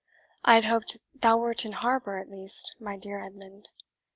I had hoped thou wert in harbour, at least, my dear Edmund.